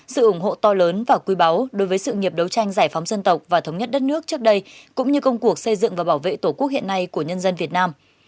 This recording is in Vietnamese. sự ủng hộ to lớn và quý báu đối với sự nghiệp đấu tranh giải phóng dân tộc và thống nhất đất nước trước đây cũng như công cuộc xây dựng và bảo vệ tổ quốc hiện nay của nhân dân việt nam